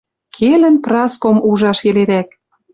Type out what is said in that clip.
Келӹн Праском ужаш йӹлерӓк.